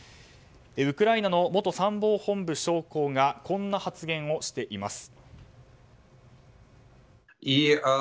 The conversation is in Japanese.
ウクライナの元参謀本部将校がこんな発言をしています。